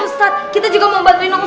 ustaz kita juga mau bantuin ustaz